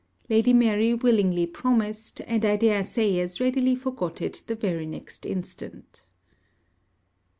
Lady Mary willingly promised, and I dare say as readily forgot it the very next instant.